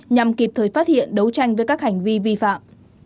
nhằm kịp thời phát hiện đấu tranh với các hành vi vi phạm